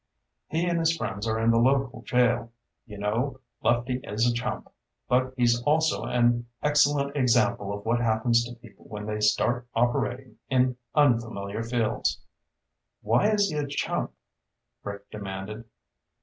"He and his friends are in the local jail. You know, Lefty is a chump. But he's also an excellent example of what happens to people when they start operating in unfamiliar fields." "Why is he a chump?" Rick demanded.